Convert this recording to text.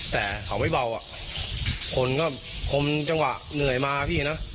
แต่เขาไม่เบาอ่ะคนก็คมจังหวะเหนื่อยมาพี่นะ